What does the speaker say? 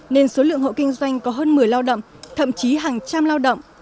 nên số lượng hộ kinh doanh có hơn một mươi lao động thậm chí hàng trăm lao động